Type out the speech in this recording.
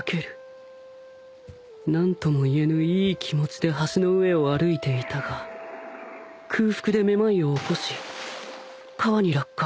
何とも言えぬいい気持ちで橋の上を歩いていたが空腹でめまいを起こし川に落下